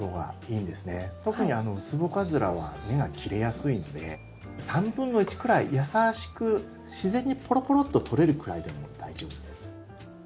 特にウツボカズラは根が切れやすいので1/3くらい優しく自然にぽろぽろっと取れるくらいでも大丈夫です。